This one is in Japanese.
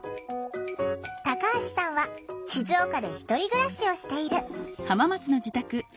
タカハシさんは静岡で１人暮らしをしている。